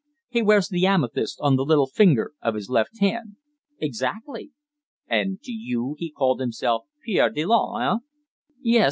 He wears the amethyst on the little finger of his left hand." "Exactly." "And, to you, he called himself Pierre Delanne, eh?" "Yes.